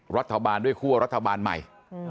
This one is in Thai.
รัฐบาลด้วยคั่วรัฐบาลใหม่